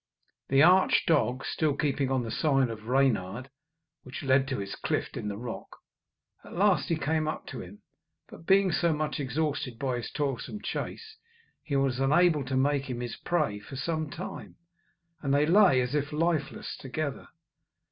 The arch dog, still keeping on the side of Reynard which led to his clift in the rock, at last came up to him; but being so much exhausted by his toilsome chase, he was unable to make him his prey for some time, and they lay as if lifeless together.